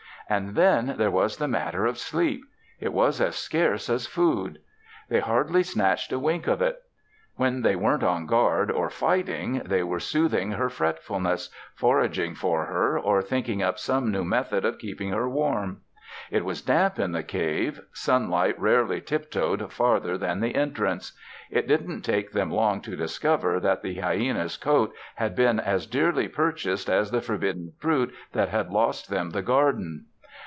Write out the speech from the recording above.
And then there was the matter of sleep; it was as scarce as food. They hardly snatched a wink of it. When they weren't on guard or fighting, they were soothing her fretfulness, foraging for her or thinking up some new method of keeping her warm. It was damp in the cave; sunlight rarely tiptoed farther than the entrance. It didn't take them long to discover that the hyena's coat had been as dearly purchased as the forbidden fruit that had lost them the garden.